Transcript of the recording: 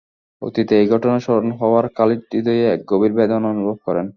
অতীত এ ঘটনা স্মরণ হওয়ায় খালিদ হৃদয়ে এক গভীর বেদনা অনুভব করেন।